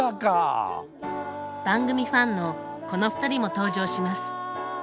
番組ファンのこの２人も登場します。